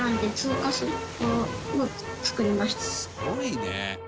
「すごいね！」